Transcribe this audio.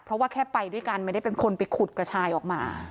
เพราะว่าแค่ไปด้วยกันไม่ได้เป็นคนไปขุดกระชายออกมา